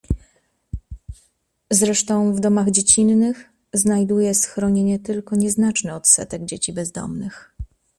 "Zresztą w domach dziecinnych znajduje schronienie tylko nieznaczny odsetek dzieci bezdomnych."